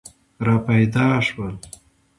را پیدا شول.